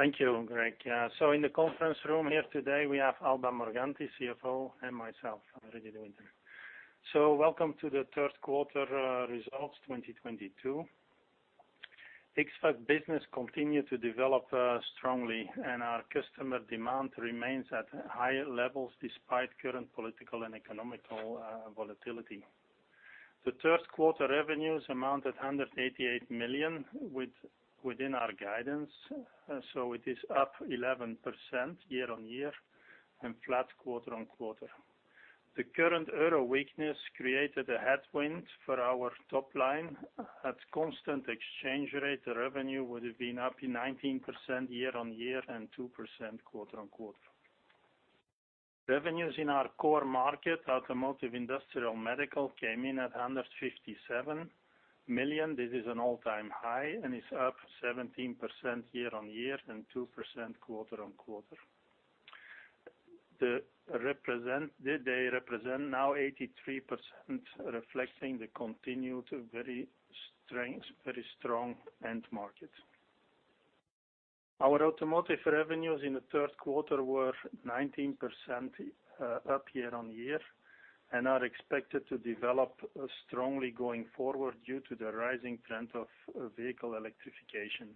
Thank you, Greg. Yeah. In the conference room here today, we have Alba Morganti, CFO, and myself, Rudi De Winter. Welcome to the third quarter results 2022. X-FAB business continued to develop strongly, and our customer demand remains at high levels despite current political and economic volatility. The third quarter revenues amounted $188 million within our guidance, so it is up 11% year-on-year and flat quarter-on-quarter. The current euro weakness created a headwind for our top line. At constant exchange rate, the revenue would have been up 19% year-on-year and 2% quarter-on-quarter. Revenues in our core market, Automotive, Industrial, Medical, came in at $157 million. This is an all-time high and is up 17% year-on-year and 2% quarter-on-quarter. They represent now 83%, reflecting the continued very strong end market. Our Automotive revenues in the third quarter were 19% up year-on-year and are expected to develop strongly going forward due to the rising trend of vehicle electrification.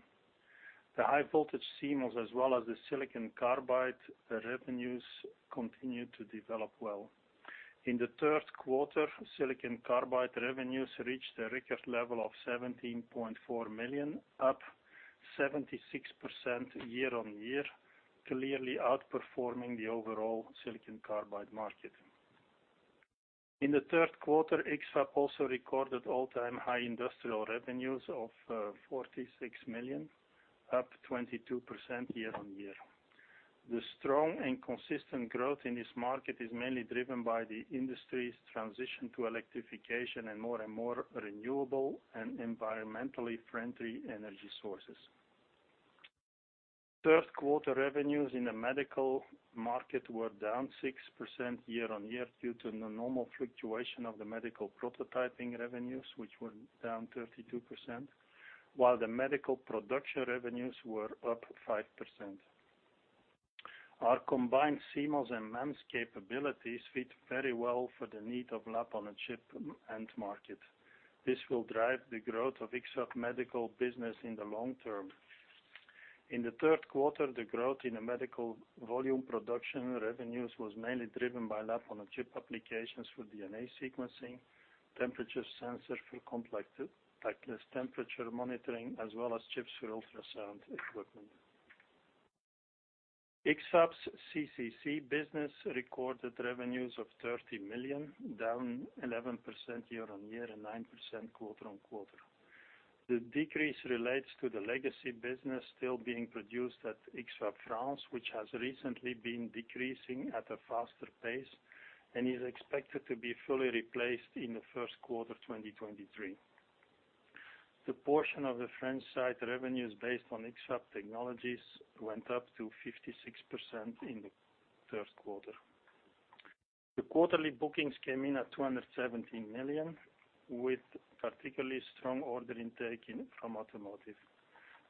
The high-voltage CMOS as well as the silicon carbide, the revenues continue to develop well. In the third quarter, silicon carbide revenues reached a record level of 17.4 million, up 76% year-on-year, clearly outperforming the overall silicon carbide market. In the third quarter, X-FAB also recorded all-time high Industrial revenues of 46 million, up 22% year-on-year. The strong and consistent growth in this market is mainly driven by the industry's transition to electrification and more and more renewable and environmentally friendly energy sources. Third quarter revenues in the Medical market were down 6% year-on-year due to the normal fluctuation of the Medical prototyping revenues, which were down 32%, while the Medical production revenues were up 5%. Our combined CMOS and MEMS capabilities fit very well for the need of lab-on-a-chip end market. This will drive the growth of X-FAB Medical business in the long term. In the third quarter, the growth in the Medical volume production revenues was mainly driven by lab-on-a-chip applications for DNA sequencing, temperature sensor for complex diagnosis, temperature monitoring, as well as chips for ultrasound equipment. X-FAB's CCC business recorded revenues of 30 million, down 11% year-on-year and 9% quarter-on-quarter. The decrease relates to the legacy business still being produced at X-FAB France, which has recently been decreasing at a faster pace and is expected to be fully replaced in the first quarter of 2023. The portion of the French site revenues based on X-FAB technologies went up to 56% in the third quarter. The quarterly bookings came in at 270 million, with particularly strong order intake from Automotive.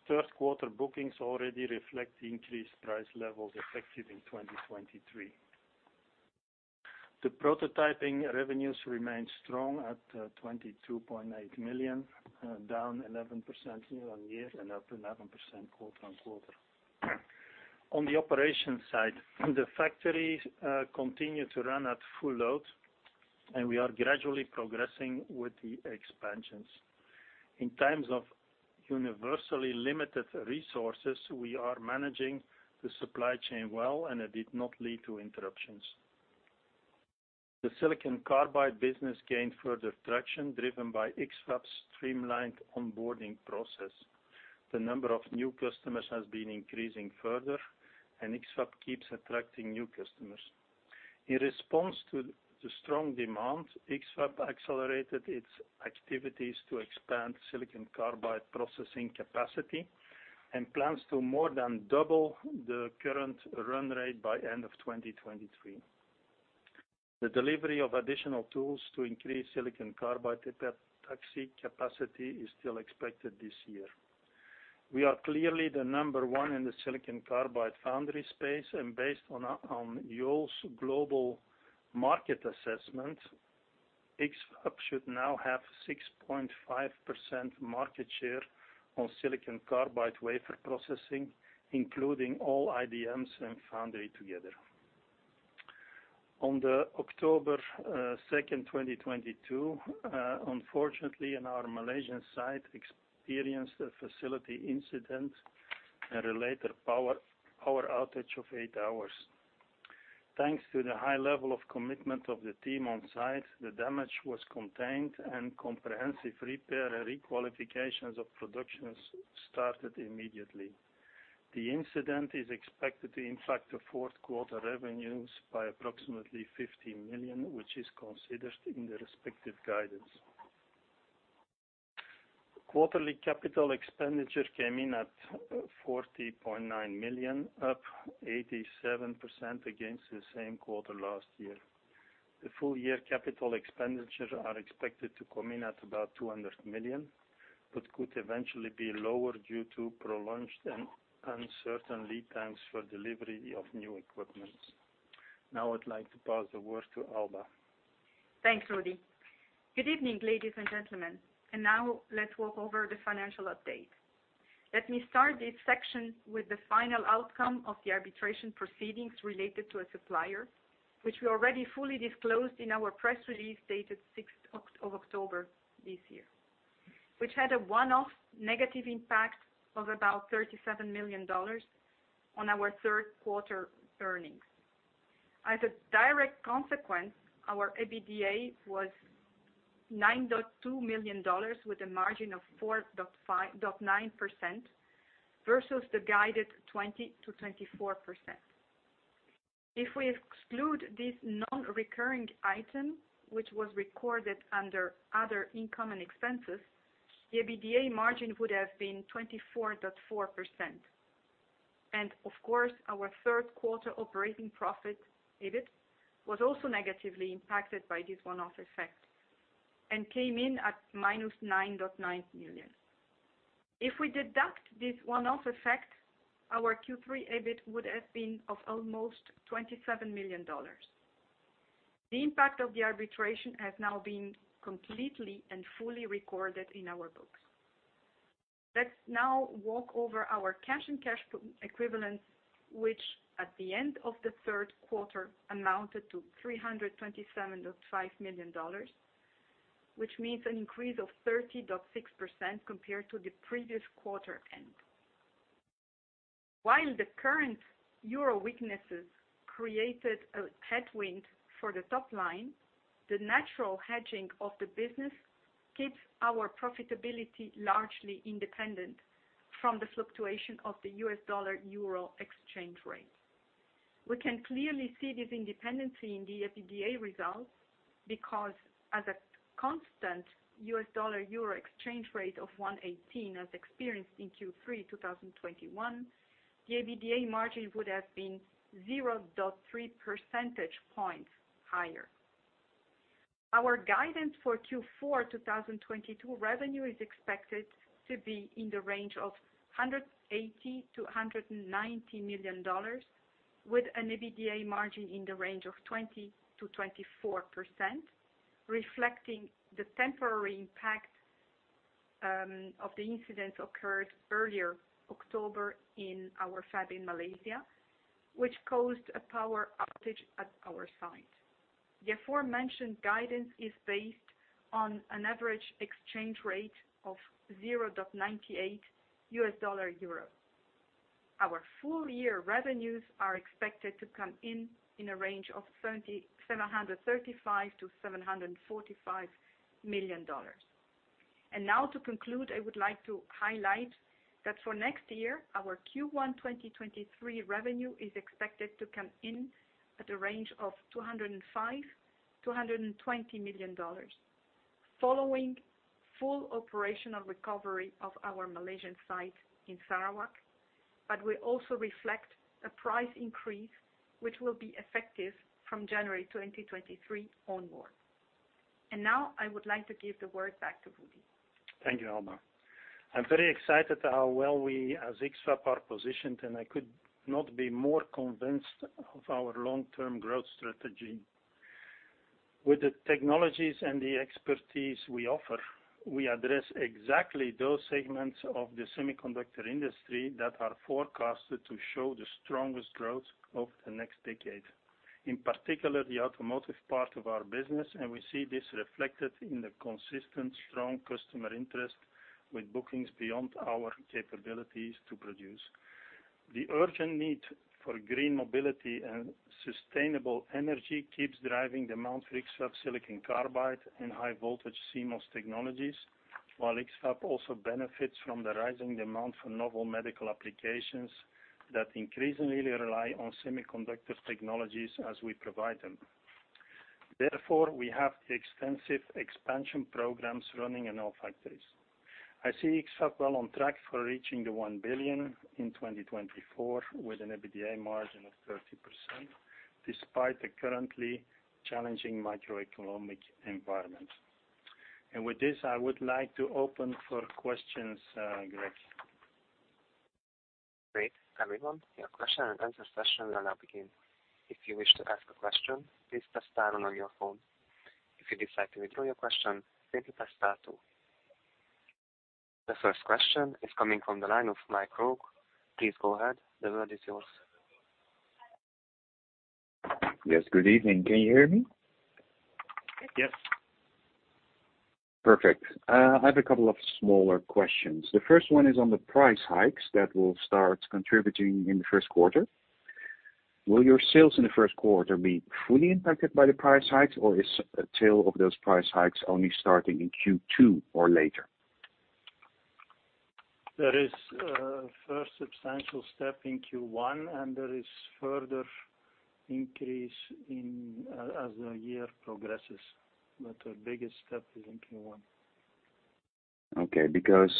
Third quarter bookings already reflect the increased price levels effective in 2023. The prototyping revenues remained strong at 22.8 million, down 11% year-on-year and up 11% quarter-on-quarter. On the operation side, the factories continue to run at full load, and we are gradually progressing with the expansions. In times of universally limited resources, we are managing the supply chain well, and it did not lead to interruptions. The silicon carbide business gained further traction, driven by X-FAB's streamlined onboarding process. The number of new customers has been increasing further, and X-FAB keeps attracting new customers. In response to the strong demand, X-FAB accelerated its activities to expand silicon carbide processing capacity and plans to more than double the current run rate by end of 2023. The delivery of additional tools to increase silicon carbide epitaxy capacity is still expected this year. We are clearly the number one in the silicon carbide foundry space and based on on Yole's global market assessment, X-FAB should now have 6.5% market share on silicon carbide wafer processing, including all IDMs and foundry together. On October second, 2022, unfortunately in our Malaysian site experienced a facility incident and related power outage of eight hours. Thanks to the high level of commitment of the team on site, the damage was contained and comprehensive repair and requalifications of production started immediately. The incident is expected to impact the fourth quarter revenues by approximately 50 million, which is considered in the respective guidance. Quarterly capital expenditure came in at 40.9 million, up 87% against the same quarter last year. The full year capital expenditures are expected to come in at about 200 million, but could eventually be lower due to prolonged and uncertain lead times for delivery of new equipment. Now I'd like to pass the word to Alba. Thanks, Rudi. Good evening, ladies and gentlemen. Now let's walk over the financial update. Let me start this section with the final outcome of the arbitration proceedings related to a supplier, which we already fully disclosed in our press release dated sixth October this year, which had a one-off negative impact of about $37 million on our third quarter earnings. As a direct consequence, our EBITDA was $9.2 million with a margin of 4.5%-9% versus the guided 20%-24%. If we exclude this non-recurring item, which was recorded under other income and expenses, the EBITDA margin would have been 24.4%. Of course, our third quarter operating profit, EBIT, was also negatively impacted by this one-off effect and came in at -$9.9 million. If we deduct this one-off effect, our Q3 EBIT would have been almost $27 million. The impact of the arbitration has now been completely and fully recorded in our books. Let's now walk over our cash and cash equivalents, which at the end of the third quarter amounted to $327.5 million, which means an increase of 30.6% compared to the previous quarter end. While the current euro weaknesses created a headwind for the top line, the natural hedging of the business keeps our profitability largely independent from the fluctuation of the U.S. dollar/euro exchange rate. We can clearly see this independency in the EBITDA results because as a constant U.S. dollar/euro exchange rate of $1.18 as experienced in Q3 2021, the EBITDA margin would have been 0.3 percentage points higher. Our guidance for Q4 2022 revenue is expected to be in the range of $180 million-$190 million with an EBITDA margin in the range of 20%-24%, reflecting the temporary impact of the incident occurred earlier October in our fab in Malaysia, which caused a power outage at our site. The aforementioned guidance is based on an average exchange rate of $0.98. Our full year revenues are expected to come in a range of $735 million-$745 million. Now to conclude, I would like to highlight that for next year, our Q1 2023 revenue is expected to come in at a range of $205 million-$220 million following full operational recovery of our Malaysian site in Sarawak. We also reflect a price increase, which will be effective from January 2023 onwards. Now I would like to give the word back to Rudi. Thank you, Alba. I'm very excited how well we as X-FAB are positioned, and I could not be more convinced of our long-term growth strategy. With the technologies and the expertise we offer, we address exactly those segments of the semiconductor industry that are forecasted to show the strongest growth over the next decade, in particular the Automotive part of our business, and we see this reflected in the consistent strong customer interest with bookings beyond our capabilities to produce. The urgent need for green mobility and sustainable energy keeps driving demand for X-FAB silicon carbide and high-voltage CMOS technologies, while X-FAB also benefits from the rising demand for novel medical applications that increasingly rely on semiconductor technologies as we provide them. Therefore, we have the extensive expansion programs running in all factories. I see X-FAB well on track for reaching 1 billion in 2024 with an EBITDA margin of 30% despite the currently challenging macroeconomic environment. With this, I would like to open for questions, Greg. Great. Everyone, your question and answer session will now begin. If you wish to ask a question, please press star one on your phone. If you decide to withdraw your question, simply press star two. The first question is coming from the line of Michael Roeg. Please go ahead. The word is yours. Yes, good evening. Can you hear me? Yes. Perfect. I have a couple of smaller questions. The first one is on the price hikes that will start contributing in the first quarter. Will your sales in the first quarter be fully impacted by the price hikes, or is a tail of those price hikes only starting in Q2 or later? There is a first substantial step in Q1, and there is further increase as the year progresses. The biggest step is in Q1. Okay. Because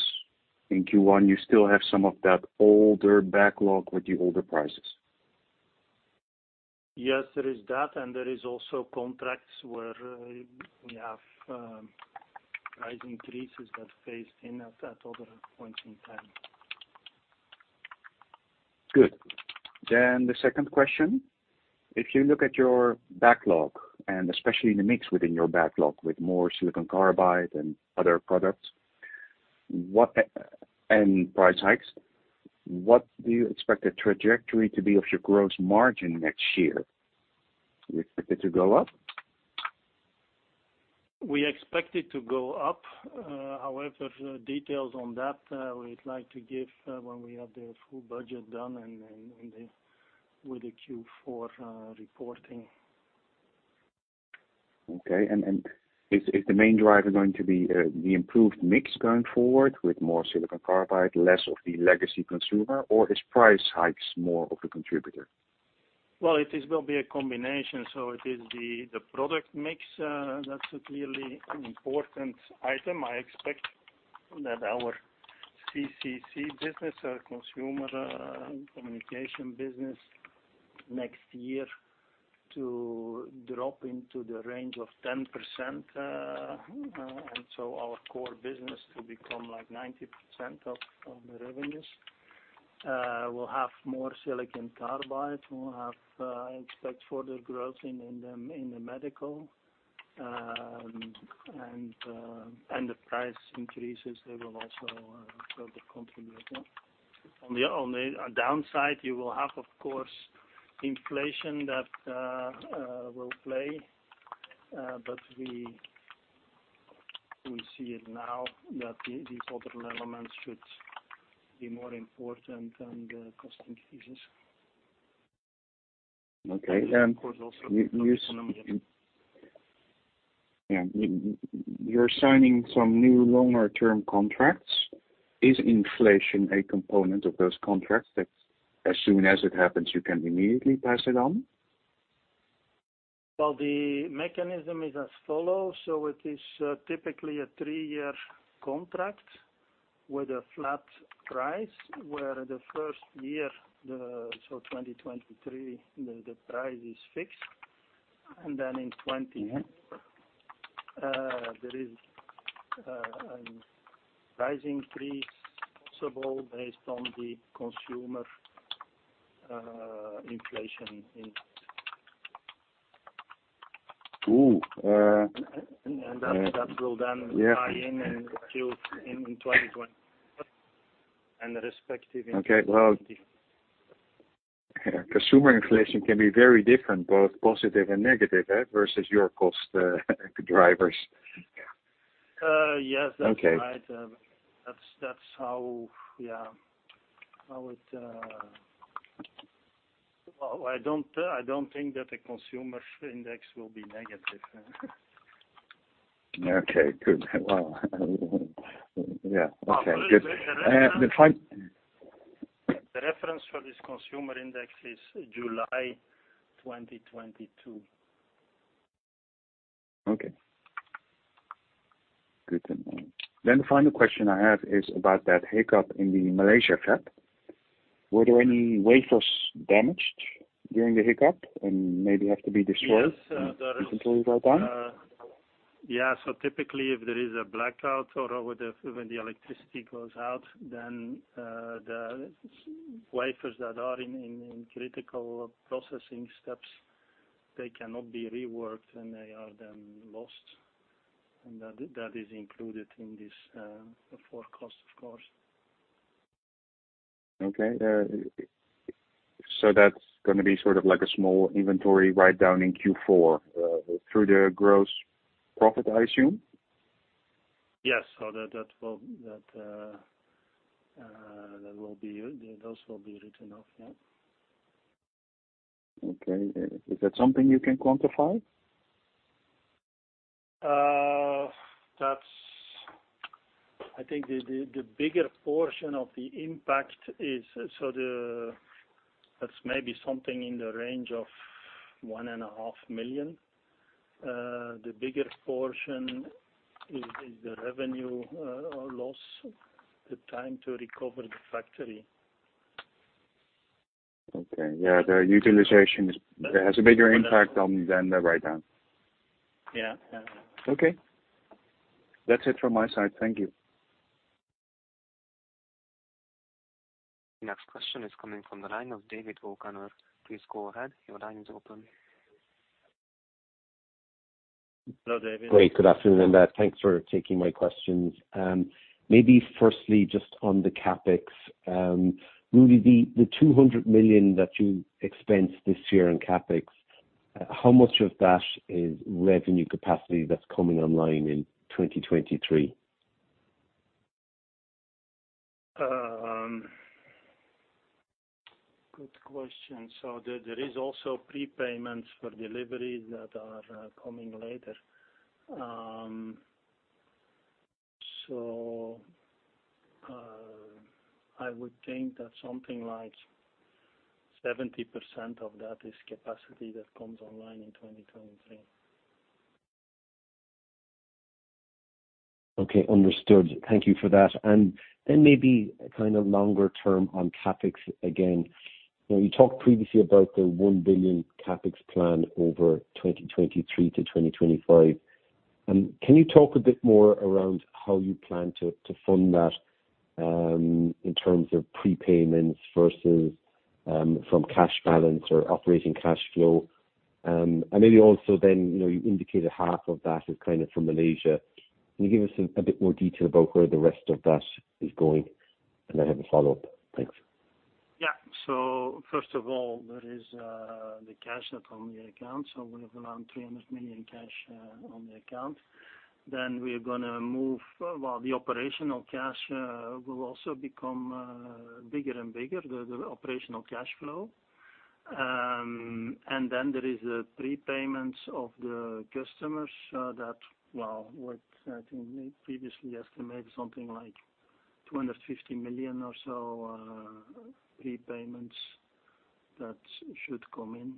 in Q1 you still have some of that older backlog with the older prices. Yes, there is that, and there is also contracts where we have price increases that phase in at other points in time. Good. The second question, if you look at your backlog, and especially in the mix within your backlog, with more silicon carbide and other products, and price hikes, what do you expect the trajectory to be of your gross margin next year? Do you expect it to go up? We expect it to go up. However, details on that we'd like to give when we have the full budget done and then with the Q4 reporting. Okay. Is the main driver going to be the improved mix going forward with more silicon carbide, less of the legacy consumer, or is price hikes more of a contributor? Well, it will be a combination. It is the product mix that's clearly an important item. I expect that our CCC business or consumer communication business next year to drop into the range of 10%, and so our core business to become like 90% of the revenues. We'll have more silicon carbide. I expect further growth in the Medical, and the price increases they will also further contribute. On the downside you will have of course inflation that will play. We see it now that these other elements should be more important than the cost increases. Okay. Of course also new components. Yeah. You're signing some new longer term contracts. Is inflation a component of those contracts that as soon as it happens you can immediately pass it on? Well, the mechanism is as follows. It is typically a three-year contract with a flat price, where the first year, so 2023, the price is fixed. Then in 2024 Mm-hmm. There is price increase possible based on the consumer inflation. Ooh. Uh- That will then tie in until 2021. The respective inflation- Okay. Well, consumer inflation can be very different, both positive and negative, eh? Versus your cost drivers. Yes. Okay. That's right. Well, I don't think that the consumer index will be negative. Okay, good. Well, yeah. Okay, good. The reference- Uh, the fi- The reference for this consumer index is July 2022. Okay. Good to know. The final question I have is about that hiccup in the Malaysia fab. Were there any wafers damaged during the hiccup and maybe have to be destroyed? Yes, there is. inventories written down? Yeah. Typically if there is a blackout, when the electricity goes out, then the wafers that are in critical processing steps cannot be reworked and they are then lost. That is included in this, the forecast of course. Okay. That's gonna be sort of like a small inventory write down in Q4, through the gross profit I assume? Yes. That will be. Those will be written off, yeah. Okay. Is that something you can quantify? I think the bigger portion of the impact is. That's maybe something in the range of 1.5 million. The bigger portion is the revenue or loss, the time to recover the factory. Okay. Yeah. The utilization is. It has a bigger impact on than the write-down. Yeah. Yeah. Okay. That's it from my side. Thank you. Next question is coming from the line of David O'Connor. Please go ahead. Your line is open. Hello, David. Great. Good afternoon, everybody. Thanks for taking my questions. Maybe firstly just on the CapEx. Rudi, the 200 million that you expensed this year on CapEx, how much of that is revenue capacity that's coming online in 2023? Good question. There is also prepayments for deliveries that are coming later. I would think that something like 70% of that is capacity that comes online in 2023. Okay, understood. Thank you for that. Maybe kind of longer term on CapEx again. You know, you talked previously about the 1 billion CapEx plan over 2023-2025. Can you talk a bit more around how you plan to fund that in terms of prepayments versus from cash balance or operating cash flow? Maybe also, you know, you indicated half of that is kind of from Malaysia. Can you give us a bit more detail about where the rest of that is going? I have a follow-up. Thanks. Yeah. First of all, there is the cash that's on the account, so we have around $300 million cash on the account. The operational cash flow will also become bigger and bigger. There is prepayments from the customers that, well, what I think we previously estimated something like $250 million or so prepayments that should come in,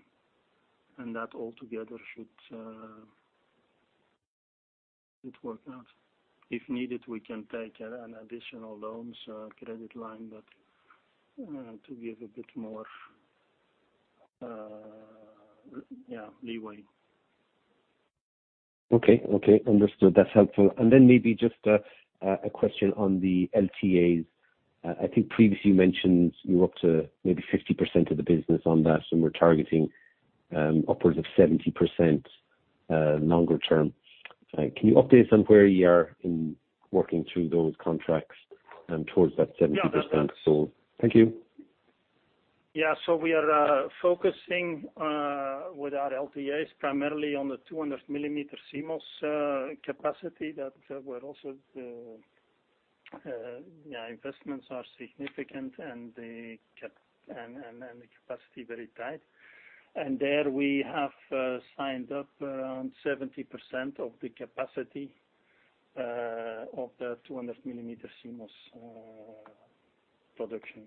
and that all together should work out. If needed, we can take an additional loans, credit line that to give a bit more yeah leeway. Okay. Understood. That's helpful. Maybe just a question on the LTAs. I think previously you mentioned you're up to maybe 50% of the business on that, and we're targeting upwards of 70% longer term. Can you update us on where you are in working through those contracts and towards that 70% sold? Thank you. We are focusing with our LTAs primarily on the 200mm CMOS capacity, where also the investments are significant and the capacity very tight. There we have signed up around 70% of the capacity of the 200mm CMOS production.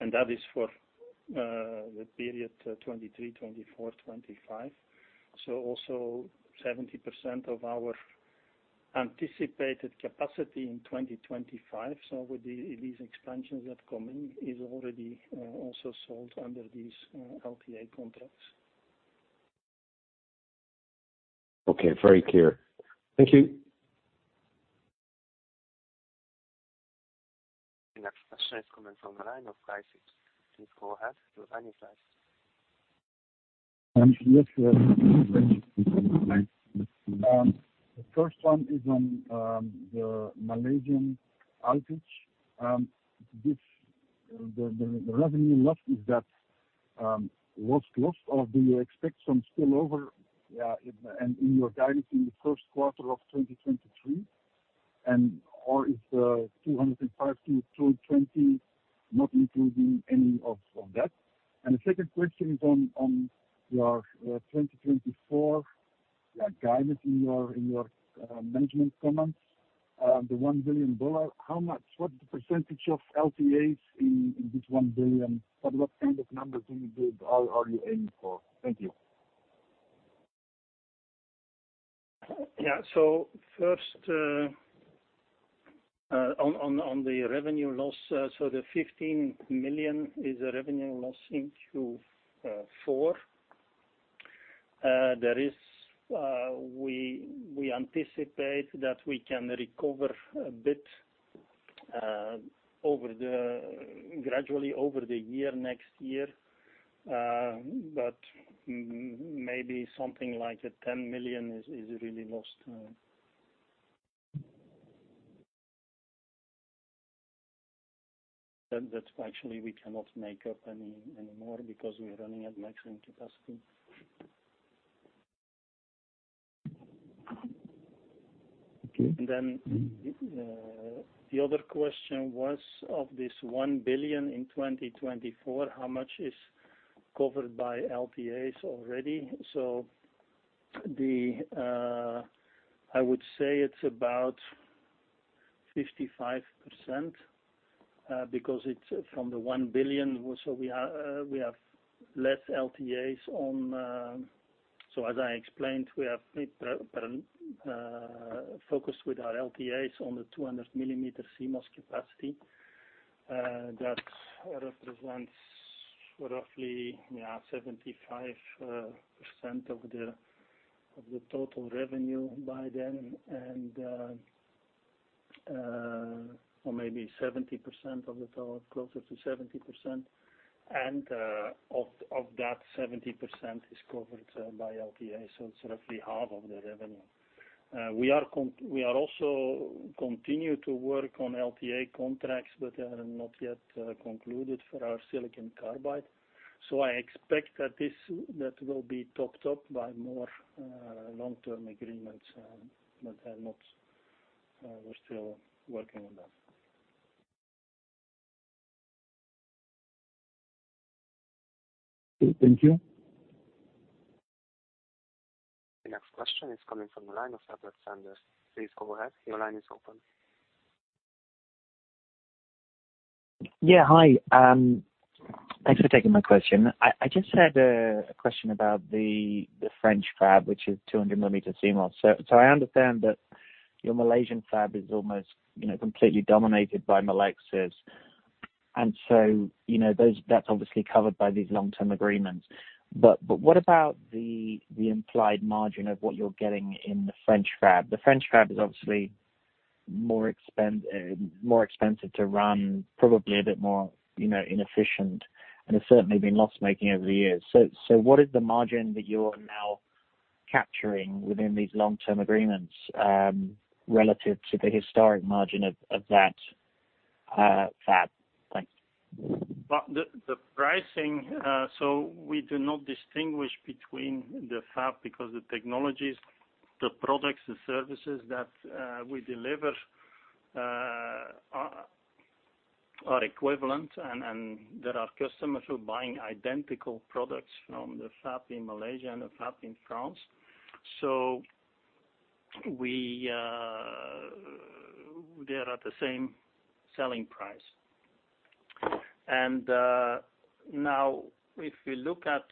That is for the period 2023, 2024, 2025. Also 70% of our anticipated capacity in 2025. With these expansions that come in is already also sold under these LTA contracts. Okay. Very clear. Thank you. Next question is coming from the line of Guy Sips. Please go ahead. You're unmuted. Yes. The first one is on the Malaysian outage. The revenue lost is that lost or do you expect some spillover in your guidance in the first quarter of 2023? Is the $205-$220 not including any of that? The second question is on your 2024 guidance in your management comments. The $1 billion, what percentage of LTAs in this $1 billion? What kind of numbers do you give or are you aiming for? Thank you. First, on the revenue loss. The 15 million is a revenue loss in Q4. We anticipate that we can recover a bit gradually over the year next year, but maybe something like a 10 million is really lost. That actually we cannot make up anymore because we're running at maximum capacity. The other question was, of this 1 billion in 2024, how much is covered by LTAs already? The I would say it's about 55%, because it's from the 1 billion. We have less LTAs on. As I explained, we have focused with our LTAs on the 200mm CMOS capacity that represents roughly 75% of the total revenue by then or maybe 70% of the total, closer to 70%. Of that 70% is covered by LTAs, so it's roughly half of the revenue. We are also continue to work on LTA contracts, but they are not yet concluded for our silicon carbide. I expect that will be topped up by more long-term agreements, but they're not. We're still working on that. Thank you. The next question is coming from the line of Robert Sanders. Please go ahead. Your line is open. Yeah, hi. Thanks for taking my question. I just had a question about the French fab, which is 200mm CMOS. I understand that your Malaysian fab is almost, you know, completely dominated by Melexis. You know, those, that's obviously covered by these long-term agreements. What about the implied margin of what you're getting in the French fab? The French fab is obviously more expensive to run, probably a bit more, you know, inefficient, and it's certainly been loss-making over the years. What is the margin that you're now capturing within these long-term agreements, relative to the historic margin of that fab? Thanks. Well, the pricing, we do not distinguish between the fab because the technologies, the products, the services that we deliver are equivalent and there are customers who are buying identical products from the fab in Malaysia and the fab in France. They're at the same selling price. Now, if you look at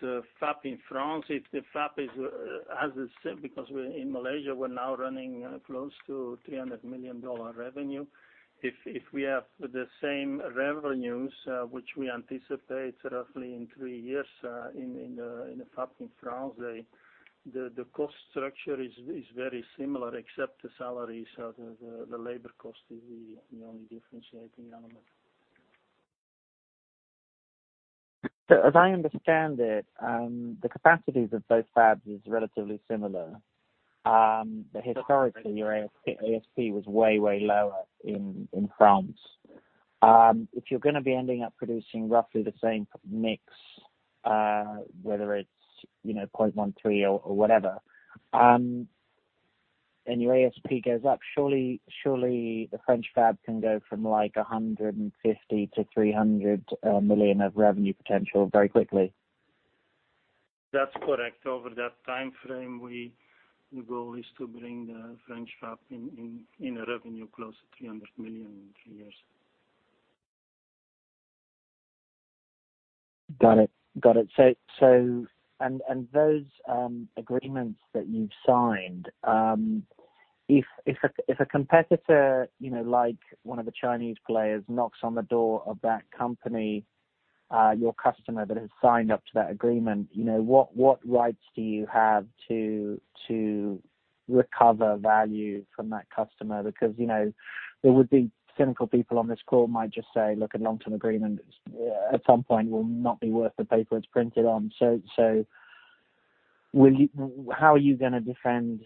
the fab in France, if the fab has the same, because in Malaysia we're now running close to $300 million revenue. If we have the same revenues, which we anticipate roughly in three years in the fab in France, the cost structure is very similar except the salaries. The labor cost is the only differentiating element. As I understand it, the capacities of both fabs is relatively similar. But historically, your ASP was way lower in France. If you're gonna be ending up producing roughly the same mix, whether it's you know 0.13 or whatever, and your ASP goes up, surely the French fab can go from like 150 million-300 million of revenue potential very quickly. That's correct. Over that timeframe, the goal is to bring the X-FAB France into a revenue close to 300 million in three years. Got it. Those agreements that you've signed, if a competitor, you know, like one of the Chinese players knocks on the door of that company, your customer that has signed up to that agreement, you know, what rights do you have to recover value from that customer? Because, you know, there would be cynical people on this call might just say, "Look, a long-term agreement at some point will not be worth the paper it's printed on." How are you gonna defend,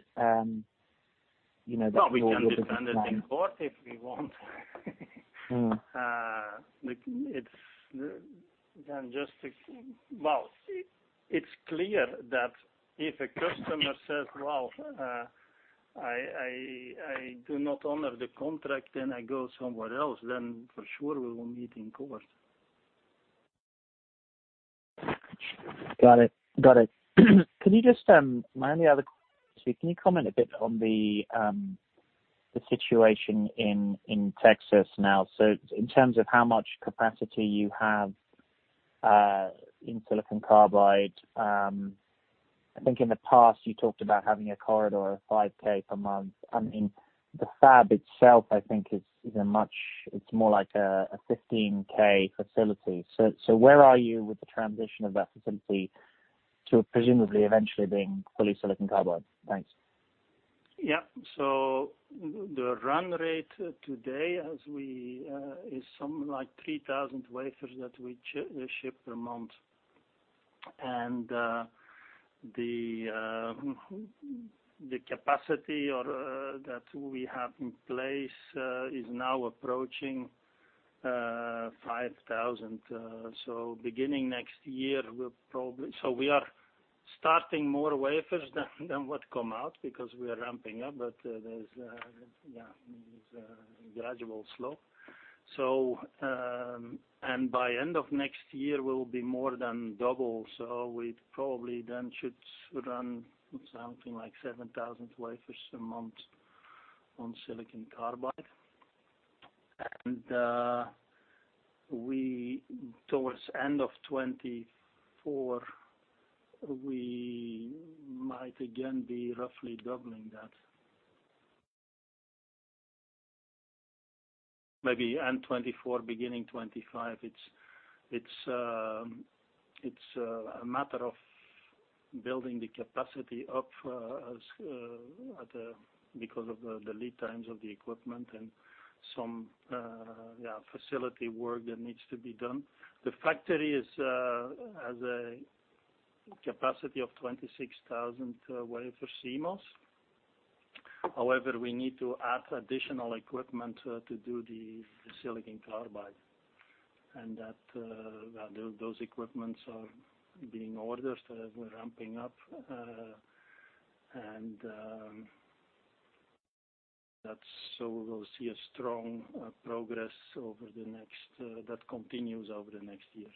you know? Well, we can defend it in court if we want. Mm. Well, it's clear that if a customer says, "Well, I do not honor the contract, and I go somewhere else," then for sure we will meet in court. Got it. Could you just, my only other question, can you comment a bit on the situation in Texas now, so in terms of how much capacity you have in silicon carbide? I think in the past you talked about having a capacity of 5,000 per month. I mean, the fab itself, I think it's more like a 15,000 facility. Where are you with the transition of that facility to presumably eventually being fully silicon carbide? Thanks. Yeah. The run rate today as we is something like 3,000 wafers that we ship per month. The capacity that we have in place is now approaching 5,000. Beginning next year we'll probably. We are starting more wafers than what come out because we are ramping up. There's a gradual slope. By end of next year, we'll be more than double. We probably then should run something like 7,000 wafers a month on silicon carbide. We towards end of 2024, we might again be roughly doubling that. Maybe end 2024, beginning 2025. It's a matter of building the capacity up because of the lead times of the equipment and some facility work that needs to be done. The factory has a capacity of 26,000 wafer CMOS. However, we need to add additional equipment to do the silicon carbide. Those equipments are being ordered, so we're ramping up, and that's so we will see a strong progress over the next, that continues over the next year.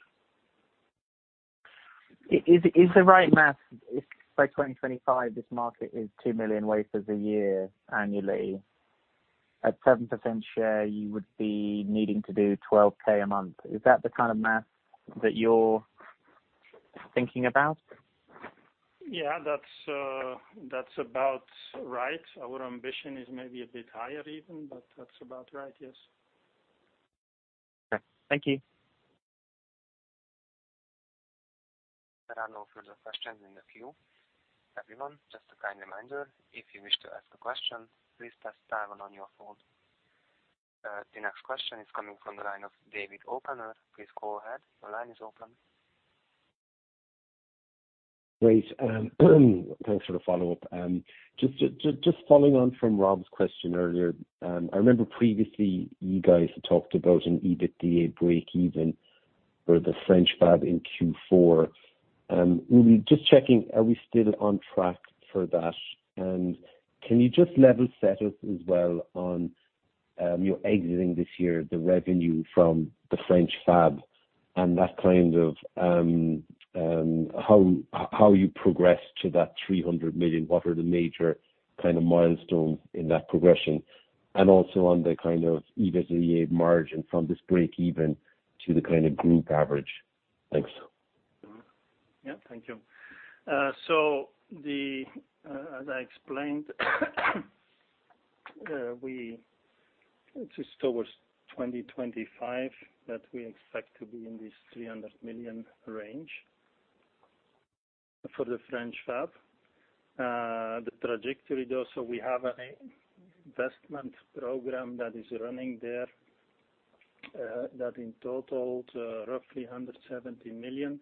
Is the right math if by 2025 this market is 2 million wafers a year annually, at 7% share you would be needing to do 12,000 a month. Is that the kind of math that you're thinking about? Yeah. That's about right. Our ambition is maybe a bit higher even, but that's about right. Yes. Okay. Thank you. There are no further questions in the queue. Everyone, just a kind reminder, if you wish to ask a question, please press star one on your phone. The next question is coming from the line of David O'Connor. Please go ahead. The line is open. Great. Thanks for the follow-up. Just following on from Rob's question earlier. I remember previously you guys talked about an EBITDA breakeven for the French fab in Q4. Maybe just checking, are we still on track for that? Can you just level set us as well on you're expecting this year, the revenue from the French fab and that kind of how you progress to that 300 million. What are the major kind of milestones in that progression? Also on the kind of EBITDA margin from this breakeven to the kind of group average. Thanks. As I explained, it is towards 2025 that we expect to be in this 300 million range for the French fab. The trajectory though, we have an investment program that is running there, that in total to roughly 170 million.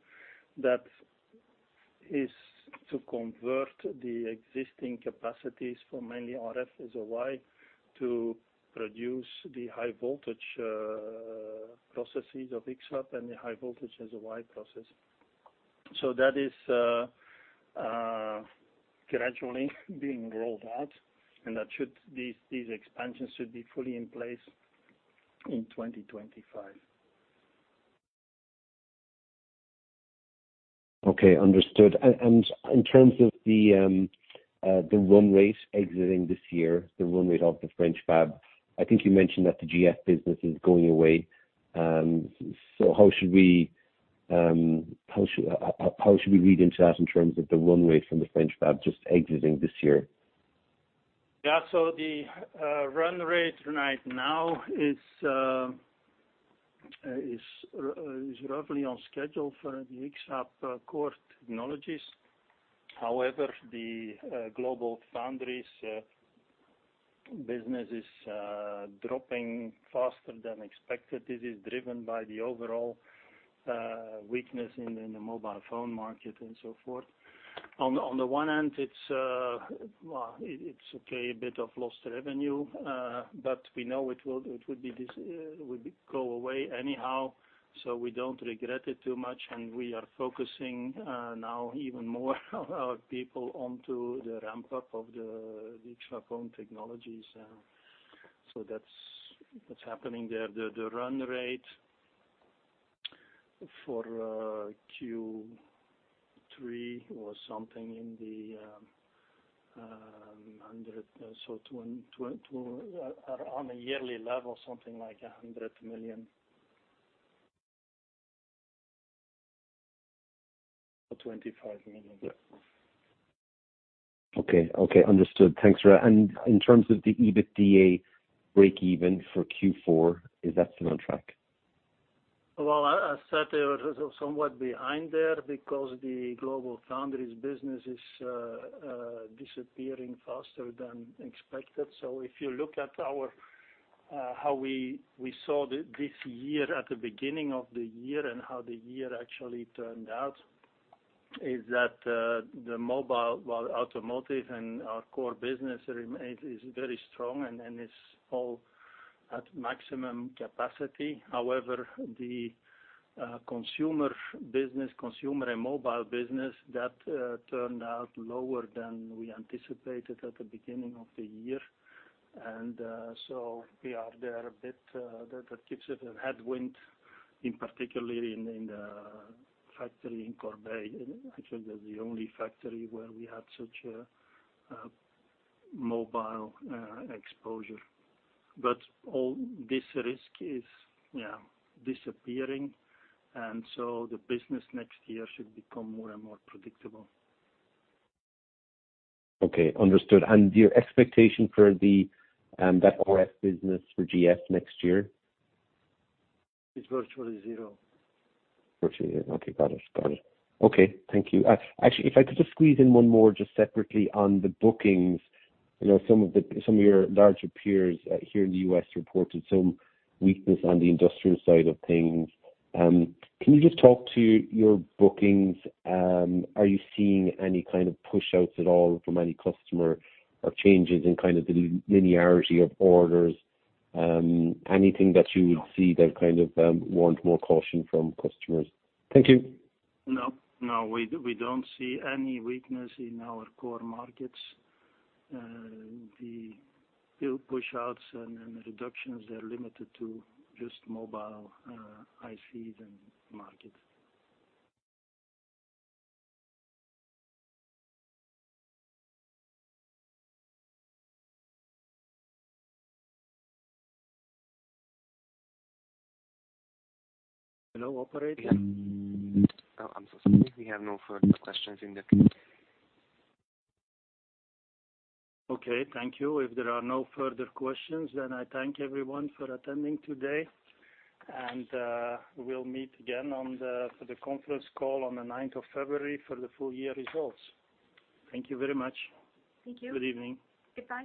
That is to convert the existing capacities for mainly RF-SOI to produce the high voltage processes of X-FAB and the high-voltage SOI process. That is gradually being rolled out, and these expansions should be fully in place in 2025. Okay. Understood. In terms of the run rate exiting this year, the run rate of the French fab, I think you mentioned that the GF business is going away. How should we read into that in terms of the run rate from the French fab just exiting this year? The run rate right now is roughly on schedule for the X-FAB core technologies. However, the GlobalFoundries business is dropping faster than expected. This is driven by the overall weakness in the mobile phone market and so forth. On the one hand, well, it's okay, a bit of lost revenue. But we know it would go away anyhow, so we don't regret it too much, and we are focusing now even more of our people onto the ramp-up of the X-FAB own technologies. That's what's happening there. The run rate for Q3 on a yearly level was something like 100 million. Or 25 million. Okay. Understood. Thanks. In terms of the EBITDA breakeven for Q4, is that still on track? I said they were somewhat behind there because the GlobalFoundries business is disappearing faster than expected. If you look at how we saw this year at the beginning of the year and how the year actually turned out is that the mobile, well, Automotive and our core business is very strong and is all at maximum capacity. However, the consumer business, consumer and mobile business, that turned out lower than we anticipated at the beginning of the year. We are there a bit, that gives it a headwind, particularly in the factory in Corbeil. Actually that's the only factory where we had such a mobile exposure. All this risk is, yeah, disappearing, and the business next year should become more and more predictable. Okay. Understood. Your expectation for that RF business for GF next year? It's virtually zero. Virtually zero. Okay. Got it. Okay. Thank you. Actually, if I could just squeeze in one more just separately on the bookings. You know, some of your larger peers here in the U.S. reported some weakness on the Industrial side of things. Can you just talk to your bookings? Are you seeing any kind of push-outs at all from any customer or changes in kind of the linearity of orders? Anything that you would see that kind of warrant more caution from customers? Thank you. No. We don't see any weakness in our core markets. The build push-outs and reductions, they're limited to just mobile ICs and market. Hello, operator. Yeah. Oh, I'm so sorry. We have no further questions in the queue. Okay. Thank you. If there are no further questions, then I thank everyone for attending today. We'll meet again for the conference call on the ninth of February for the full year results. Thank you very much. Thank you. Good evening. Goodbye.